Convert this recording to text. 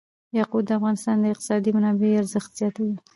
یاقوت د افغانستان د اقتصادي منابعو ارزښت زیاتوي.